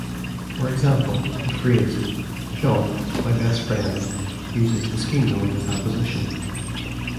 For example, the phrase, "John, my best friend" uses the scheme known as apposition.